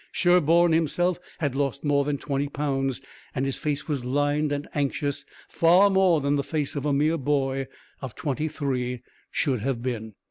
Sherburne himself had lost more than twenty pounds and his face was lined and anxious far more than the face of a mere boy of twenty three should have been.